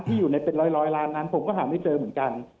อยู่ในเป็นร้อยล้านนั้นผมก็หาไม่เจอเหมือนกัน